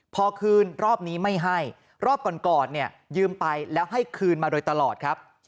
พอคืนรอบนี้ไม่ให้รอบก่อนก่อนเนี่ยยืมไปแล้วให้คืนมาโดยตลอดครับ